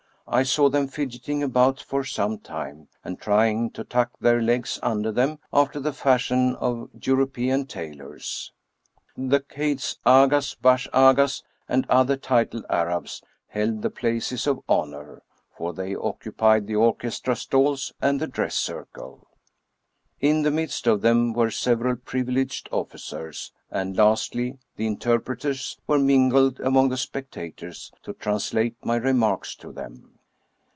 I saw them fidgeting about for some time, and trying to tuck their legs under them, after the fashion of European tailors. The caids, agas, bash agas, and other titled Arabs, held the places of honor, for they occupied the orchestra stalls and the dress circle. In the midst of them were several privileged officers, and, lastly, the interpreters were mingled among the spec tators, to translate my remarks to them.